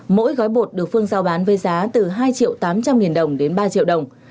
mỗi gói bột được phương giao bán với giá từ hai triệu tám trăm linh nghìn đồng đến ba triệu đồng